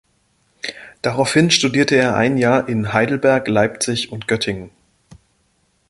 Daraufhin studierte er ein Jahr in Heidelberg, Leipzig und Göttingen.